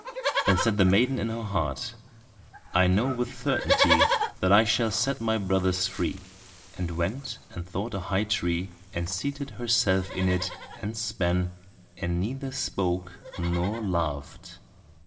Then said the maiden in her heart, "I know with certainty that I shall set my brothers free," and went and sought a high tree and seated herself in it and span, and neither spoke nor laughed.